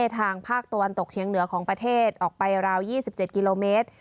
ทางภาคตะวันตกเฉียงเหนือของประเทศออกไปราว๒๗กิโลเมตร